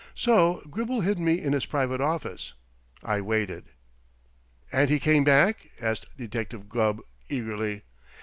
So Gribble hid me in his private office. I waited." "And he came back?" asked Detective Gubb eagerly.